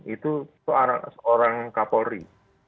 itu seorang kapolri